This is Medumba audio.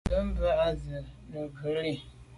Ndɛ̂mbə̄ bū à’ zí’jú jə̂ ngū’ lî.